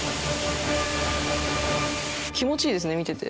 気持ちいいですね見てて。